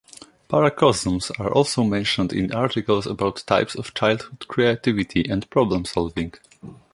Paracosms are also mentioned in articles about types of childhood creativity and problem-solving.